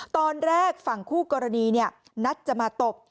ตอนแรกฝั่งคู่กรณีนัดจะมาตบ